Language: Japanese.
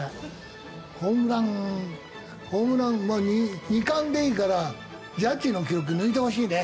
ホームランホームラン二冠でいいからジャッジの記録抜いてほしいね。